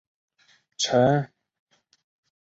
陈植棋出生于汐止